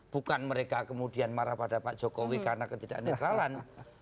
bukan mereka kemudian marah pada pak jokowi karena ketidak netralan